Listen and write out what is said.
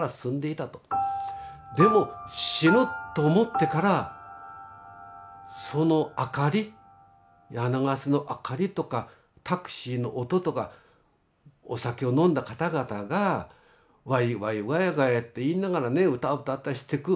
「でも『死ぬ』と思ってからその明かり柳ケ瀬の明かりとかタクシーの音とかお酒を飲んだ方々がワイワイガヤガヤって言いながらね歌歌ったりしてく。